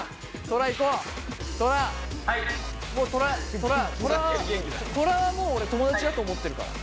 トラはもう俺友だちだと思ってるから。